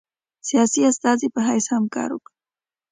سیاسي استازي په حیث هم کار وکړي.